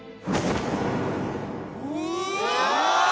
うわ！